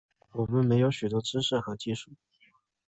我们没有许多知识和技术